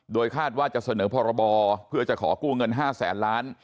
โดยคาดว่าจะเสนอพรบเพื่อจะขอกู้เงิน๕แสนล้าน